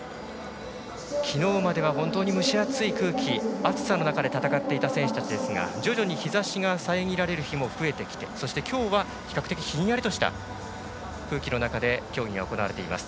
昨日までは本当に蒸し暑い空気、暑さの中で戦っていた選手たちですが徐々に日ざしがさえぎられる日も増えてきてそして今日は比較的ひんやりとした空気の中で競技が行われています。